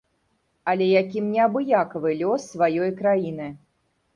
Але якім неабыякавы лёс сваёй краіны.